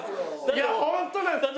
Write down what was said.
いやホントなんです！